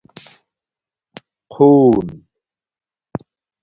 خُݸن